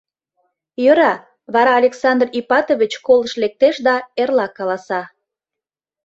Йӧра, вара Александр Ипатович колышт лектеш да эрла каласа.